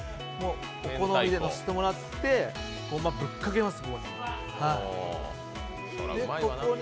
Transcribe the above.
お好みでのせてもらって、ごまぶっかけます、ここに。